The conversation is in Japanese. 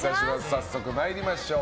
早速、参りましょう。